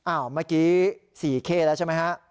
เมื่อกี้๔เข้แล้วใช่ไหมฮะ